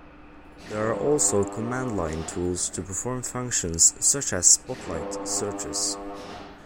There are also command-line tools to perform functions such as Spotlight searches.